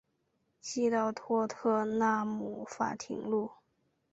西到托特纳姆法院路。